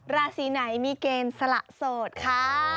ราศีไหนมีเกณฑ์สละโสดค่ะ